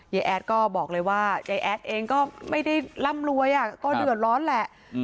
แอดก็บอกเลยว่ายายแอดเองก็ไม่ได้ร่ำรวยก็เดือดร้อนแหละ